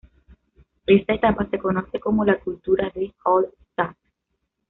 Esta etapa se conoce como la cultura de Hallstatt.